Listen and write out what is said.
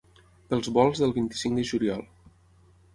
Pels volts del vint-i-cinc de juliol.